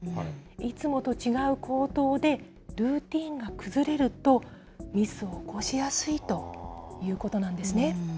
いつもと違う行動で、ルーティンが崩れると、ミスを起こしやすいということなんですね。